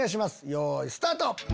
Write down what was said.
よいスタート！